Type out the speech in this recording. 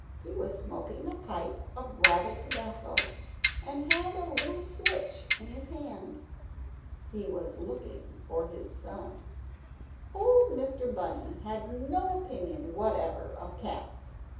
He was smoking a pipe of rabbit tobacco, and had a little switch in his hand. He was looking for his son. Old Mr. Bunny had no opinion whatever of cats.